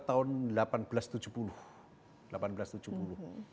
itu dibuat tahun seribu delapan ratus tujuh puluh